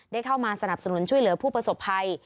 ได้เข้ามาสนับสนุนช่วยเหลือผู้ประสบภัย